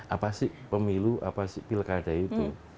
apa sih pemilu apa sih pilkada itu